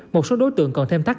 một số đối tượng còn thêm tắt